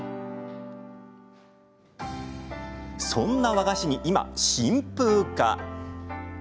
そんな和菓子に今、新風が。